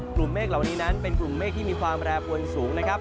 เมฆเหล่านี้นั้นเป็นกลุ่มเมฆที่มีความแปรปวนสูงนะครับ